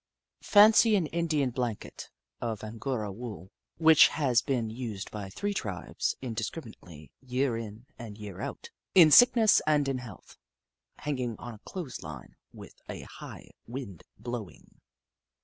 Fancy an Indian blanket, of Angora wool, which has been used by three tribes indis criminately, year in and year out, in sickness and in health, hanging on a clothes line with a hio^h wind blowinof.